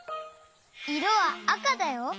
いろはあかだよ。